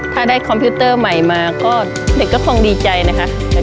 ถ้าได้คอมพิวเตอร์ใหม่มาก็เด็กก็คงดีใจนะคะ